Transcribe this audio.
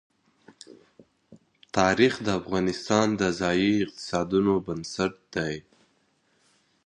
تاریخ د افغانستان د ځایي اقتصادونو بنسټ دی.